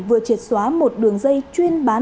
vừa triệt xóa một đường dây chuyên bán